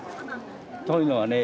というのはね